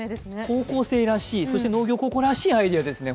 高校生らしい、そして農業高校らしいアイデアでしたね。